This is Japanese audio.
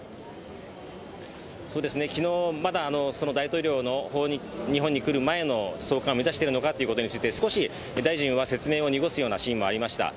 昨日、まだ大統領が日本に来る前の送還を目指してるのかということについて、大臣は少し説明を濁すようなシーンもありました。